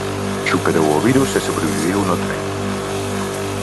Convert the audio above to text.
Superou o virus e sobreviviu no tren.